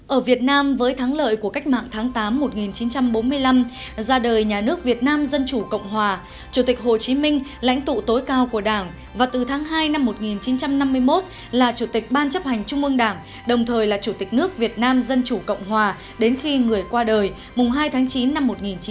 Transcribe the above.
ở việt nam với thắng lợi của cách mạng tháng tám một nghìn chín trăm bốn mươi năm ra đời nhà nước việt nam dân chủ cộng hòa chủ tịch hồ chí minh lãnh tụ tối cao của đảng và từ tháng hai năm một nghìn chín trăm năm mươi một là chủ tịch ban chấp hành trung ương đảng đồng thời là chủ tịch nước việt nam dân chủ cộng hòa đến khi người qua đời mùng hai tháng chín năm một nghìn chín trăm bốn mươi năm